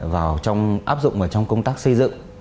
vào trong công tác xây dựng